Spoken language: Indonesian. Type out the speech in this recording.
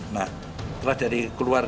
nah telah dari keluarga